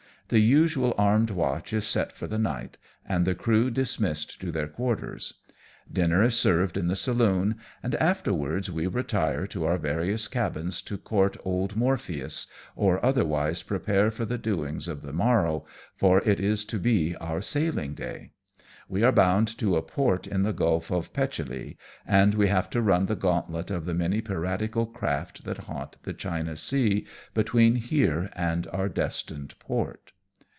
The usual armed watch is set for the night, and the crew dismissed to their quarters. Dinner is served in the saloon, and afterwards we retire to our various cabins to court old Morpheus, or other wise prepare for the doings of the morrow, for it is to be our sailing day. "We are bound to a port in the Gulf of Petchelee, and we have to run the gauntlet of the many piratical craft that haunt the China Sea between here and our destined port.